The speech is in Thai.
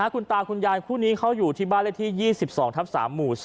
คุณตาคุณยายคู่นี้เขาอยู่ที่บ้านเลขที่๒๒ทับ๓หมู่๒